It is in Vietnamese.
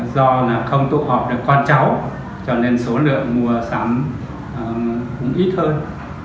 do là không tụ họp được con cháu cho nên số lượng mua sắm cũng ít hơn